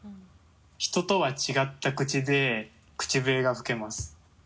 人とは違った口で口笛が吹けます。